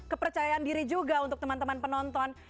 kepercayaan diri juga untuk teman teman penonton